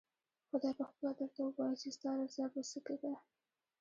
خدای پخپله درته ووايي چې ستا رضا په څه کې ده؟